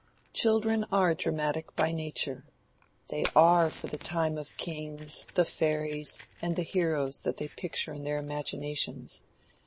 Children are dramatic by nature. They are for the time the kings, the fairies, and the heroes that they picture in their imaginations.